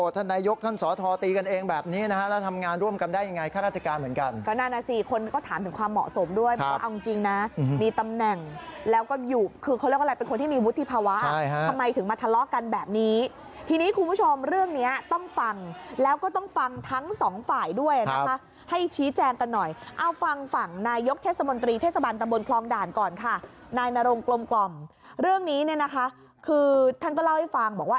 ทอตีกันเองแบบนี้นะฮะแล้วทำงานร่วมกันได้ยังไงข้าราชการเหมือนกันก็น่านะสิคนก็ถามถึงความเหมาะสมด้วยเอาจริงนะมีตำแหน่งแล้วก็หยุบคือเขาเรียกว่าอะไรเป็นคนที่มีวุฒิภาวะทำไมถึงมาทะเลาะกันแบบนี้ทีนี้คุณผู้ชมเรื่องเนี้ยต้องฟังแล้วก็ต้องฟังทั้งสองฝ่ายด้วยนะคะให้ชี้แจงกันหน่อยเอาฟัง